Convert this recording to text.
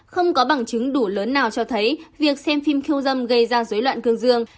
không có bằng chứng đủ lớn nào cho thấy việc xem phim khiêu dâm gây ra dối loạn cương dương